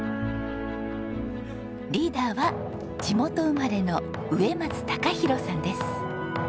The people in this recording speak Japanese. リーダーは地元生まれの植松孝宏さんです。